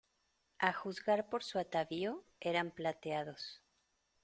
a juzgar por su atavío, eran plateados.